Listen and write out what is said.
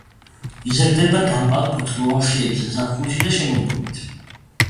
იზრდება დამპალ ფოთლოვან ხეებზე ზაფხულში და შემოდგომით.